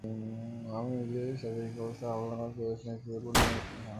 আমি নিজের শারীরিক অবস্থার হালনাগাদ ওয়েস্ট ইন্ডিজ ক্রিকেট বোর্ডকে নিয়মিত জানাচ্ছি।